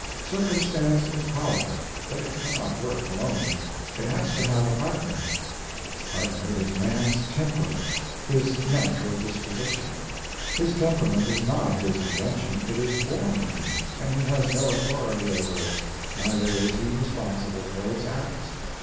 Circumstance is powerful, but it cannot work alone; it has to have a partner. Its partner is man's temperament—his natural disposition. His temperament is not his invention, it is _born _in him, and he has no authority over it, neither is he responsible for its acts.